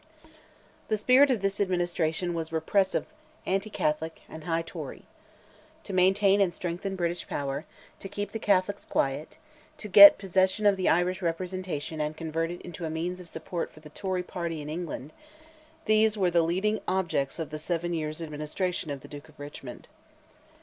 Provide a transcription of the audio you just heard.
The spirit of this administration was repressive, anti Catholic and high Tory. To maintain and strengthen British power, to keep the Catholics quiet, to get possession of the Irish representation and convert it into a means of support for the Tory party in England, these were the leading objects of the seven years' administration of the Duke of Richmond.